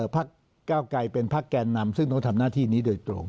พักเก้าไกรเป็นพักแกนนำซึ่งต้องทำหน้าที่นี้โดยตรง